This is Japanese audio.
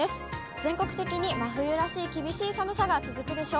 全国的に真冬らしい厳しい寒さが続くでしょう。